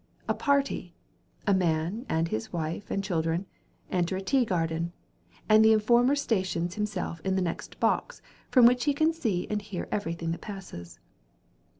A party, a man and his wife and children, enter a tea garden, and the informer stations himself in the next box, from whence he can see and hear everything that passes.